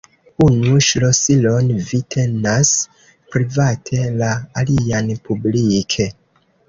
Unu ŝlosilon vi tenas private, la alian publike.